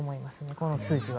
この数字は。